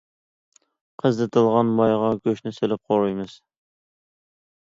قىزىتىلغان مايغا گۆشنى سېلىپ قورۇيمىز.